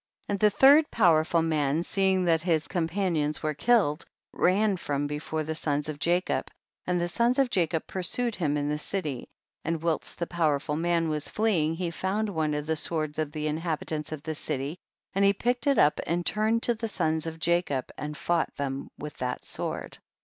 61. And the third powerful man, seeing that his companions were killed, ran from before the sons of Jacob, and the sons of Jacob pursued him in the city ; and whilst the powerful man was fleeing he found one of the swords of the inhabitants of the city, and he picked it up and turned to the sons of Jacob and fought them with that sword.